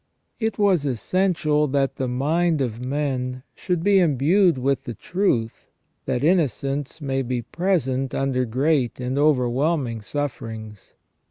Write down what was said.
It was essential that the mind of men should be imbued with the truth, that innocence may be present under great and overwhelming sufferings.